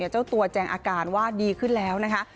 เจ้าตัวแจงอาการว่าดีขึ้นแล้วนะคะ